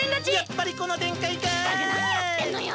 ったくなにやってんのよ！